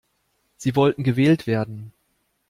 Sie wollten gewählt werden.